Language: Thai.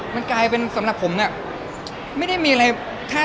มันกลายเป็นสำหรับผมเนี่ยไม่ได้มีอะไร